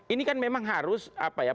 ini kan memang harus apa ya